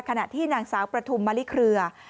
ขณะที่นางสาวประทุมมะลิเครือ